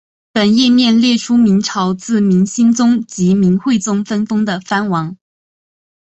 本页面列出明朝自明兴宗及明惠宗分封的藩王。